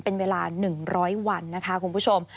เป็นเวลา๑๐๐วันนะคะคุณผู้ชม